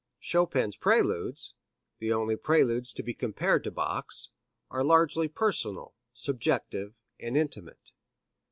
Chopin's Preludes the only preludes to be compared to Bach's are largely personal, subjective, and intimate.